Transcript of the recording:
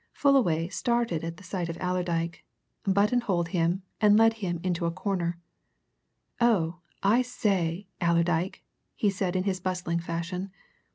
Fullaway started at sight of Allerdyke, button holed him, and led him into a corner. "Oh, I say, Allerdyke!" he said, in his bustling fashion.